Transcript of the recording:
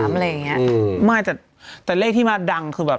๓๘๘๓อะไรอย่างนี้ไม่แต่เลขที่มาดังคือแบบ